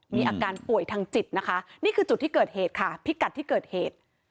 มีอาการป่วยทางจิตนะคะนี่คือจุดที่เกิดเหตุค่ะพิกัดที่เกิดเหตุ